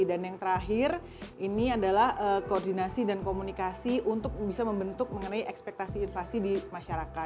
dan yang terakhir ini adalah koordinasi informasi untuk bisa membentuk ekspektasi inflasi yang disediakan di masyarakat